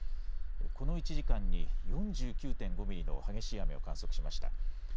この１時間に４９．５ミリの激しい雨を観測しました。